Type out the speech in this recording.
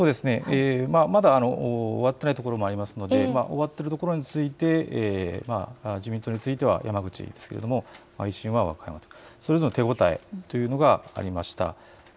まだ終わっていないところもありますので、終わっているところについて自民党については山口ですけれどもそれぞれ手応えというのがありました。